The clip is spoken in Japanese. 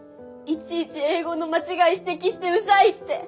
いちいち英語の間違い指摘してうざいって。